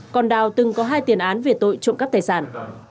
còn đào từng có hai tiền án về tội trộm cắp tài sản